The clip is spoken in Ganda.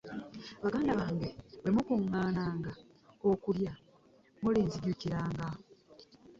Baganda bange, bwe mukungaananga okulya, mulinzinjukiranga.